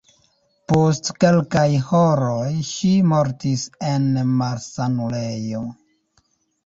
Post kelkaj horoj ŝi mortis en malsanulejo.